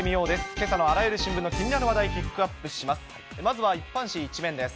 けさのあらゆる新聞の気になる話題、ピックアップします。